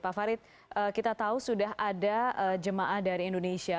pak farid kita tahu sudah ada jemaah dari indonesia